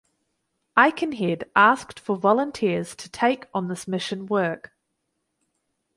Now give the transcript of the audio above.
Aikenhead asked for volunteers to take on this mission work.